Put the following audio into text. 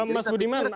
baik mas budiman